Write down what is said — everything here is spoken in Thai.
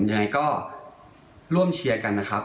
ยังไงก็ร่วมเชียร์กันนะครับ